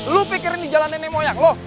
lo pikir ini jalan nenek moyang lo